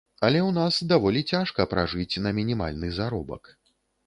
Але ў нас даволі цяжка пражыць на мінімальны заробак.